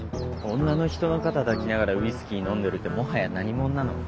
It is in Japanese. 女の人の肩抱きながらウイスキー飲んでるってもはやナニモンなの？